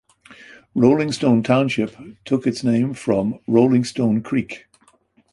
Rollingstone Township took its name from Rollingstone Creek.